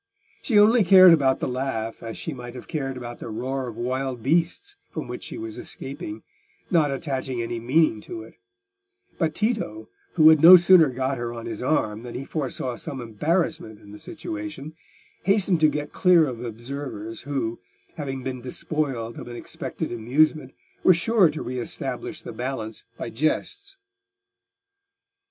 She only cared about the laugh as she might have cared about the roar of wild beasts from which she was escaping, not attaching any meaning to it; but Tito, who had no sooner got her on his arm than he foresaw some embarrassment in the situation, hastened to get clear of observers who, having been despoiled of an expected amusement, were sure to re establish the balance by jests.